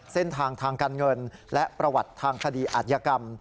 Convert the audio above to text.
เส้นทางทางการเงินและประวัติทางคดีอาจยกรรม